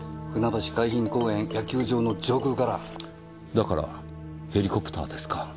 だからヘリコプターですか。